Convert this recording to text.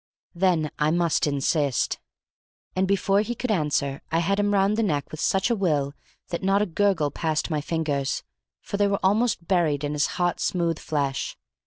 "Then I must insist." And before he could answer I had him round the neck with such a will that not a gurgle passed my fingers, for they were almost buried in his hot, smooth flesh.